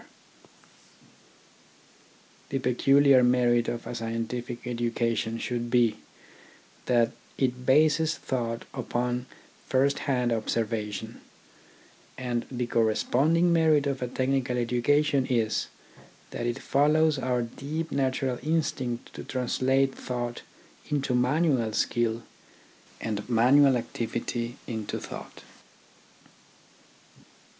44 THE ORGANISATION OF THOUGHT The peculiar merit of a scientific education should be, that it bases thought upon first hand observation ; and the corresponding merit of a technical education is, that it follows our deep natural instinct to translate thought into manual skill, and manual activity into thought.